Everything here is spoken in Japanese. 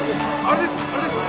あれです。